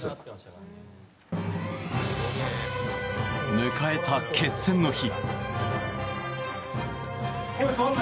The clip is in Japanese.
迎えた決戦の日。